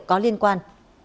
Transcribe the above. có liên quan